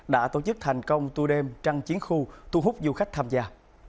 đã tổ chức thành công tui đêm trăng chiến khu tu hút du khách tham gia